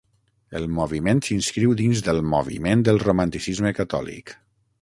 El moviment s'inscriu dins del moviment del romanticisme catòlic.